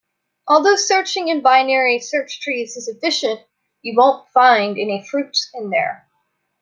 Although searching in binary search trees is efficient, you won't find any fruit in there.